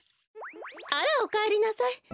あらおかえりなさい。